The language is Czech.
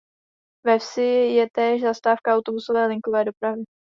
Ve vsi je též zastávka autobusové linkové dopravy.